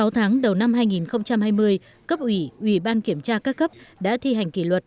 sáu tháng đầu năm hai nghìn hai mươi cấp ủy ủy ban kiểm tra các cấp đã thi hành kỷ luật